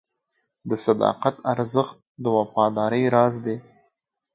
د صداقت ارزښت د وفادارۍ راز دی.